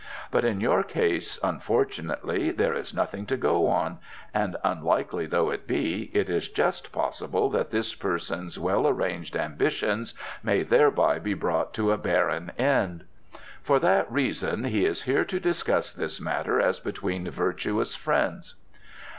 But in your case, unfortunately, there is nothing to go on, and, unlikely though it be, it is just possible that this person's well arranged ambitions may thereby be brought to a barren end. For that reason he is here to discuss this matter as between virtuous friends."